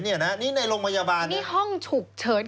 นี่ในโรงพยาบาลนี่ห้องฉุกเฉิน